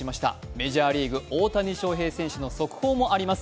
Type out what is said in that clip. メジャーリーグ、大谷翔平選手の速報もあります。